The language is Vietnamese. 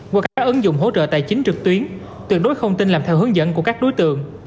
qua các ứng dụng hỗ trợ tài chính trực tuyến tuyệt đối không tin làm theo hướng dẫn của các đối tượng